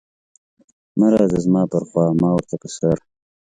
مه راځه زما پر خوا ما ورته په سر.